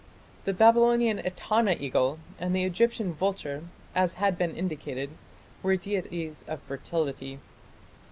The Babylonian Etana eagle and the Egyptian vulture, as has been indicated, were deities of fertility.